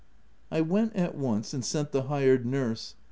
I went, at once, and sent the hired nurse.